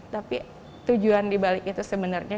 tapi tujuan di balik itu sebenarnya